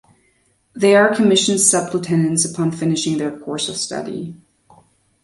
They are commissioned Sub-lieutenants upon finishing their course of study.